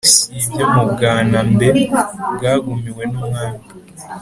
si ibyo mu bwanambe bwagumiwe n'umwami